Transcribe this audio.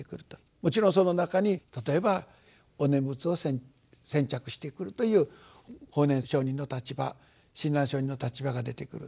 もちろんその中に例えばお念仏を選択してくるという法然上人の立場親鸞聖人の立場が出てくる。